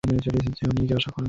আপনি আর কী আশা করেন?